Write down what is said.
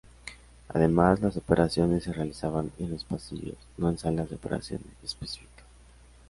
Además las operaciones se realizaban en los pasillos, no en salas de operaciones específicas.